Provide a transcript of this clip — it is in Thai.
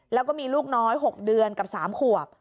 แล้วก็มีลูกน้อย๖เดือนกับ๓ขวบ